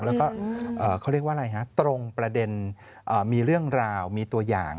แล้วก็เขาเรียกว่าอะไรฮะตรงประเด็นมีเรื่องราวมีตัวอย่าง